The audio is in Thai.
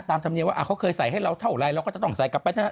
ธรรมเนียมว่าเขาเคยใส่ให้เราเท่าไรเราก็จะต้องใส่กลับไปนะฮะ